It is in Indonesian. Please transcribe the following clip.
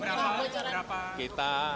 sekarang aja pak berapa